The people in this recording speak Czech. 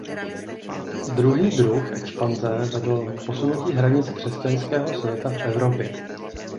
Druhý druh expanze vedl k posunutí hranic křesťanského světa v Evropě.